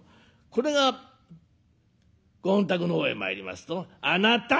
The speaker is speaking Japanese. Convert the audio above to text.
これがご本宅の方へ参りますと「あなた！」。